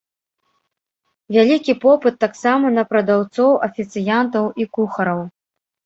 Вялікі попыт таксама на прадаўцоў, афіцыянтаў і кухараў.